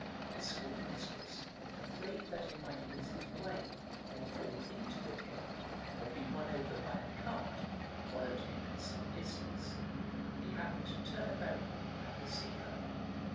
His school mistress, afraid that he might miss his way, or fall into the kennel, or be run over by a cart, followed him at some distance. He happened to turn about and perceive her.